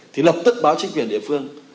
thì lập tức báo chính quyền địa phương